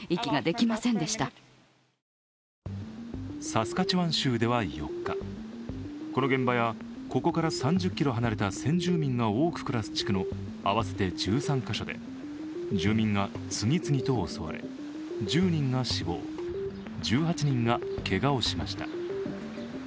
サスカチワン州では４日この現場や、ここから３０ｋｍ離れた先住民が多く暮らす地区の合わせて１３カ所で住民が次々と襲われ、１０人が死亡、１８人がけがをしました。